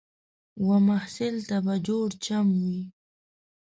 و محصل ته به جوړ چم وي